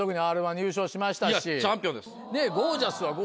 チャンピオンです。